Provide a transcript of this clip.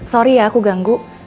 sorry ya aku ganggu